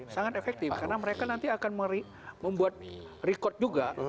sangat efektif karena mereka nanti akan membuat record juga